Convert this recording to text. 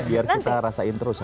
biar kita rasain terus